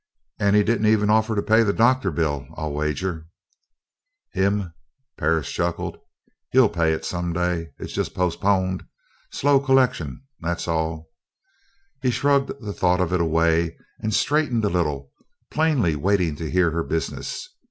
"And he didn't even offer to pay your doctor bill, I'll wager?" "Him?" Perris chuckled again. "He'll pay it, some day. It's just postponed slow collection that's all!" He shrugged the thought of it away, and straightened a little, plainly waiting to hear her business.